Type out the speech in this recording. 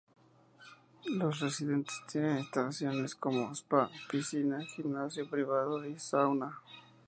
Los residentes tienen instalaciones como spa, piscina, gimnasio privado y sauna.